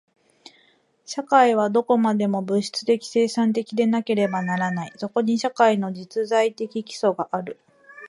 社会はどこまでも物質的生産的でなければならない。そこに社会の実在的基礎がある。